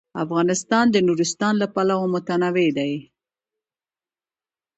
افغانستان د نورستان له پلوه متنوع دی.